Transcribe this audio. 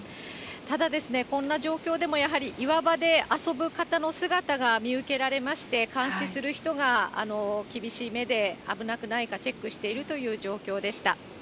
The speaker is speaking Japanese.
ただですね、こんな状況でも、岩場で遊ぶ方の姿が見受けられまして、監視する人が厳しい目で、危なくないかチェックしているという状況でした。